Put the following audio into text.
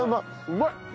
うまい！